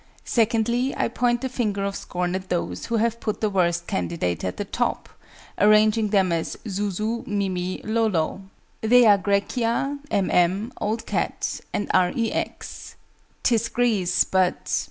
Secondly, I point the finger of scorn at those who have put the worst candidate at the top; arranging them as "Zuzu, Mimi, Lolo." They are GRAECIA, M. M., OLD CAT, and R. E. X. "'Tis Greece, but